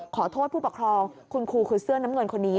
ขอโทษผู้ปกครองคุณครูคือเสื้อน้ำเงินคนนี้